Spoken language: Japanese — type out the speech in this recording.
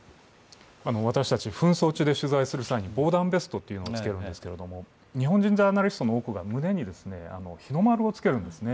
私たち、紛争中で取材する際に防弾ベストというのを着けるんですけど日本人ジャーナリストの多くが胸に日の丸をつけるんですね。